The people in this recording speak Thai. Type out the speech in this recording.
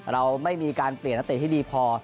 เราไม่มีการเปลี่ยนนักเตะที่ดีพอ